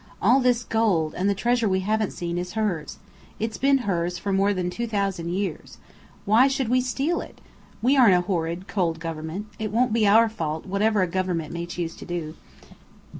All this gold, and the treasure we haven't seen, is hers. It's been hers for more than two thousand years. Why should we steal it? We aren't a horrid, cold Government. It won't be our fault, whatever a Government may choose to do.